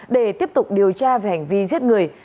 để tiếp tục điều tra về hành vi giết người